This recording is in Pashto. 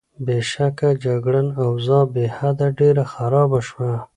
بېشکه، جګړن: اوضاع بېحده ډېره خرابه شوه.